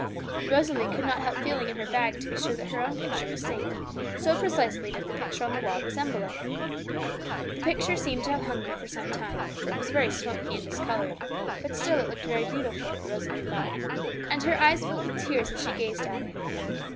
Rosalie could not help feeling in her bag to be sure that her own picture was safe, so precisely did the picture on the wall resemble it. The picture seemed to have hung there for some time, for it was very smoky and discoloured, but still it looked very beautiful, Rosalie thought; and her eyes filled with tears as she gazed at it.